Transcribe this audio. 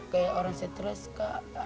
kayak orang stres kak